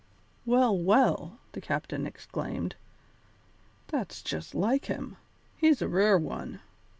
"Well, well!" the captain exclaimed, "that's just like him; he's a rare one.